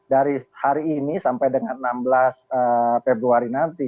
dari hari ini sampai dengan enam belas februari nanti